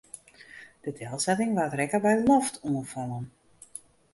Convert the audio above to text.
De delsetting waard rekke by loftoanfallen.